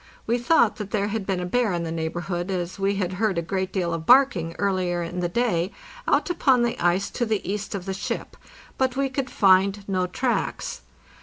We thought that there had been a bear in the neighborhood, as we had heard a great deal of barking earlier in the day out upon the ice to the east of the ship; but we could find no tracks.